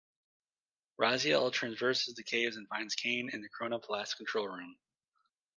Raziel traverses the caves and finds Kain in the Chronoplast's control room.